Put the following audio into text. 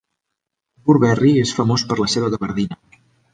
Burberry és famós per la seva gavardina.